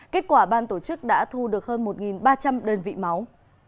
kết quả ban tổ chức đã thu được hơn một ba trăm linh đơn vị máu